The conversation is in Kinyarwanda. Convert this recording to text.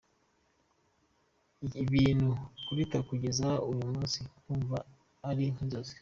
Ibintu Kurita kugeza n’uyu munsi yumva ari nk’inzozi.